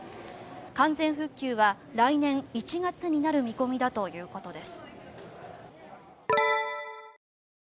完全復旧は来年１月になる見込みだということです。